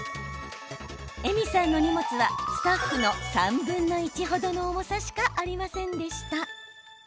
Ｅｍｉさんの荷物はスタッフの３分の１程の重さしかありませんでした。